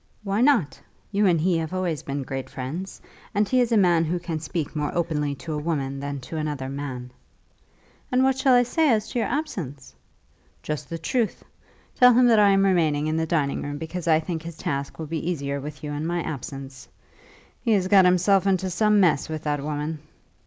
"Why not? You and he have always been great friends, and he is a man who can speak more openly to a woman than to another man." "And what shall I say as to your absence?" "Just the truth. Tell him that I am remaining in the dining room because I think his task will be easier with you in my absence. He has got himself into some mess with that woman."